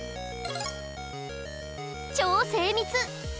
超精密！